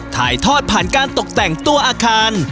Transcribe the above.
ถ่ายทอดผ่านการตกแต่งตัวอาคาร